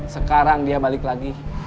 sekarang dia balik lagi